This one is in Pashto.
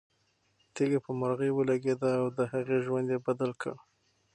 تیږه په مرغۍ ولګېده او د هغې ژوند یې بدل کړ.